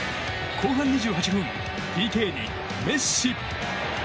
後半２８分、ＰＫにメッシ。